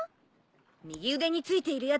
右腕についているやつ。